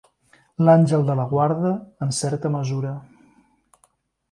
L'àngel de la guarda, en certa mesura.